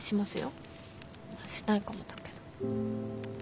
まあしないかもだけど。